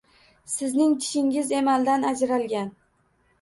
Sizning tishingiz emaldan ajralgan.